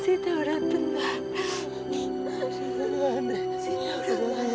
sita udah tenang sayang